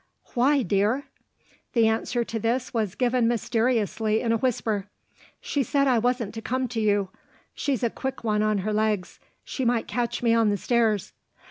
"Why, dear?" The answer to this was given mysteriously in a whisper. "She said I wasn't to come to you. She's a quick one on her legs she might catch me on the stairs."